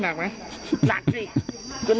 หนักไหมหนักไหม